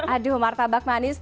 aduh martabak manis